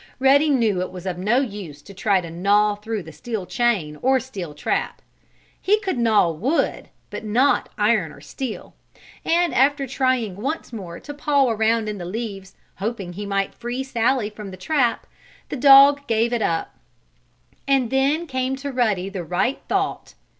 Ruddy knew it was of no use to try to gnaw through the steel chain or steel trap. He could gnaw wood, but not iron or steel. And after trying once more to paw around in the leaves, hoping he might free Sallie from the trap, the dog gave it up. And then came to Ruddy the right thought.